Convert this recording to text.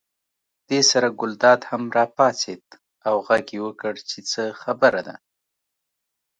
دې سره ګلداد هم راپاڅېد او غږ یې وکړ چې څه خبره ده.